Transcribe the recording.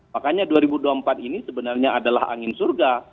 makanya dua ribu dua puluh empat ini sebenarnya adalah angin surga